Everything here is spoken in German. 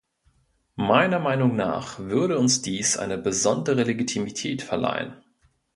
Meiner Meinung nach würde uns dies eine besondere Legitimität verleihen.